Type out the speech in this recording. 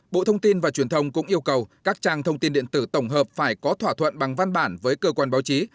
bộ thông tin và truyền thông cũng yêu cầu các trang thông tin điện tử tổng hợp phải có thỏa thuận bằng văn bản với cơ quan báo chí